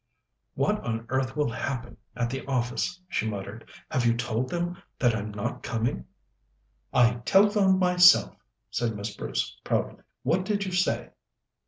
"What on earth will happen at the office?" she muttered. "Have you told them that I'm not coming?" "I telephoned myself," said Miss Bruce proudly. "What did you say?"